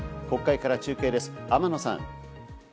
国会から中継です、天野さん。